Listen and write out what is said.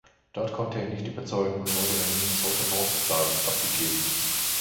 Dort konnte er nicht überzeugen und wurde an die Minnesota North Stars abgegeben.